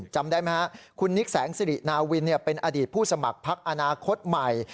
จำได้ไหมครับคุณนิกแสงสิรินาวินเป็นอดีตผู้สมัครพักอนาคตใหม่